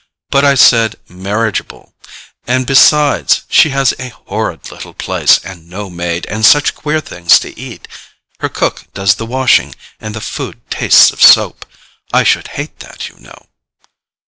"But I said MARRIAGEABLE—and besides, she has a horrid little place, and no maid, and such queer things to eat. Her cook does the washing and the food tastes of soap. I should hate that, you know."